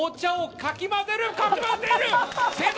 かき混ぜる成功！